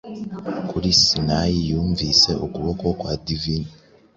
Kuri Sinayi yunvise Ukuboko Divine